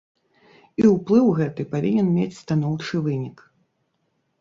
І ўплыў гэты павінен мець станоўчы вынік.